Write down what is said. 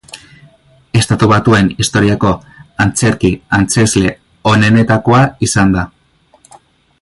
Estatu Batuen historiako antzerki-antzezle onenetakoa izan da.